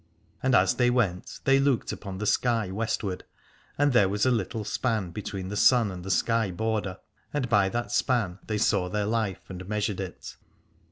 And as they went they looked upon the sky westward : and there was a little span between the sun and the sky border, and by that span they saw their life and measured it.